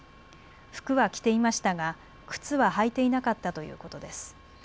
服は着ていましたが靴は履いていなかったということです。